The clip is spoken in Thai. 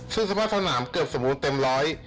ซึ่งสภาพสนามเกือบสมบูรณ์เต็มร้อย